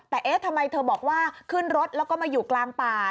แต่เอ๊ะทำไมเธอบอกว่าขึ้นรถแล้วก็มาอยู่กลางป่า